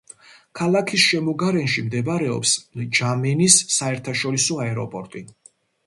ქალაქის შემოგარენში მდებარეობს ნჯამენის საერთაშორისო აეროპორტი.